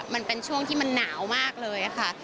มันเป็นช่วงที่มันหนาวมากเลยค่ะ